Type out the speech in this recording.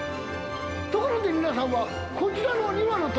ところで皆さんはこちらの２羽の鳥。